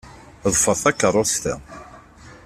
Ḍfeṛ takeṛṛust-a.